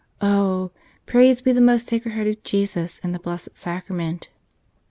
Oh ! "Praised be the most Sacred Heart of Jesus in the Blessed Sacrament!